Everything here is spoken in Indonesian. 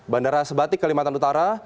bandara sebatik kelimatan utara